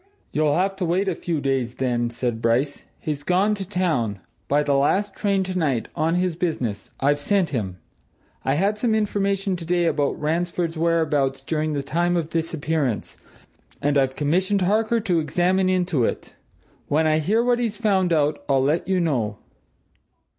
"You'll have to wait a few days, then," said Bryce. "He's gone to town by the last train tonight on this business. I've sent him. I had some information today about Ransford's whereabouts during the time of disappearance, and I've commissioned Harker to examine into it. When I hear what he's found out, I'll let you know."